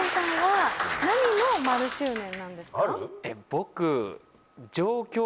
僕。